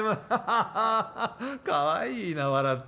ハハハッハかわいいな笑って。